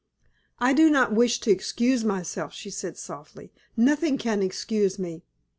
"I do not wish to excuse myself," she said, softly; "nothing can excuse me.